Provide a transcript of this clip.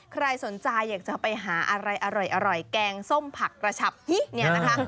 ใครสนใจอยากจะไปหาอะไรอร่อยแกงส้มผักกระฉับฮิเนี่ยนะคะ